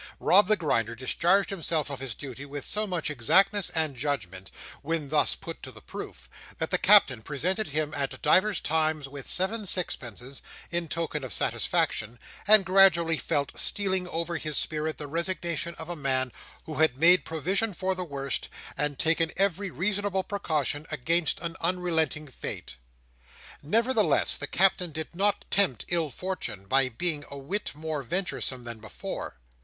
Rob the Grinder discharged himself of his duty with so much exactness and judgment, when thus put to the proof, that the Captain presented him, at divers times, with seven sixpences, in token of satisfaction; and gradually felt stealing over his spirit the resignation of a man who had made provision for the worst, and taken every reasonable precaution against an unrelenting fate. Nevertheless, the Captain did not tempt ill fortune, by being a whit more venturesome than before.